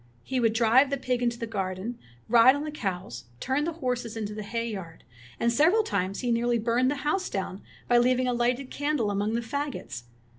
He would drive the pig into the garden, ride on the cows, turn the horses into the hay yard; and several times he nearly burned the house down by leaving a lighted candle among the fagots.